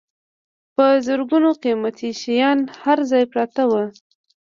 په زرګونو قیمتي شیان هر ځای پراته وو.